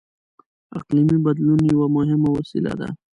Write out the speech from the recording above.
• اقلیمي بدلون یوه مهمه مسله ده.